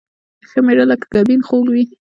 ښه مېړه لکه ګبين خوږ وي